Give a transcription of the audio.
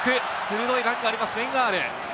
鋭いタックルがあります、ベン・アール。